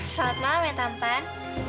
selamat malam ya tampan